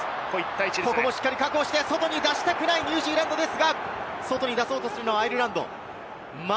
外に出したくないニュージーランドですが、外に出そうとするのはアイルランド。